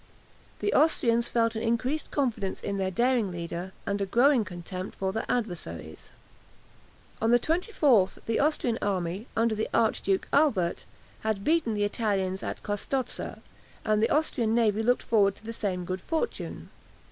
The Austrians felt an increased confidence in their daring leader and a growing contempt for their adversaries. On the 24th the Austrian army, under the Archduke Albert, had beaten the Italians at Custozza, and the Austrian navy looked forward to the same good fortune.